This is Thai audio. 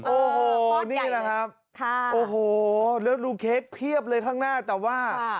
โอ้โหนี่แหละครับโอ้โหแล้วดูเค้กเพียบเลยข้างหน้าแต่ว่า